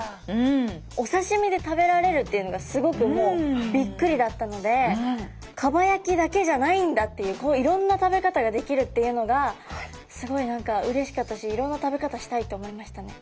お刺身で食べられるっていうのがすごくもうびっくりだったので蒲焼きだけじゃないんだっていういろんな食べ方ができるっていうのがすごい何かうれしかったしいろんな食べ方したいって思いましたね。